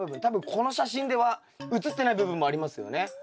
多分この写真では写ってない部分もありますよね？